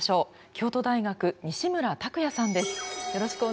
京都大学西村卓也さんです。